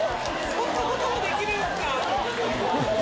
そんなこともできるんすか。